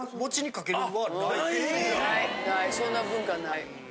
そんな文化ない。